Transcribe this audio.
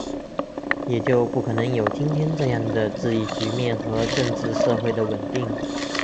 也就不可能有今天这样的治疫局面和政治社会的稳定